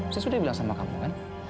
saya sudah bilang sama kamu kan